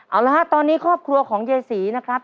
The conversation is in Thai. เอาละฮะตอนนี้ครอบครัวของยายศรีนะครับ